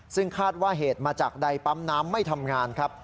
ซึ่งคาดว่าเหตุมาจากใดปั๊มน้ำไม่ทำงานครับ